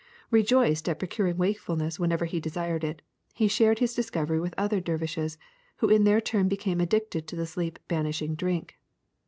*^ Rejoiced at procuring wakefulness whenever he desired it, he shared his discovery with other der vishes, who in their turn became addicted to the sleep banishing drink.